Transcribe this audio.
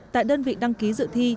tại đơn vị đăng ký dự thi